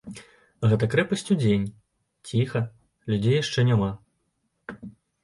Гэта крэпасць удзень, ціха, людзей яшчэ няма.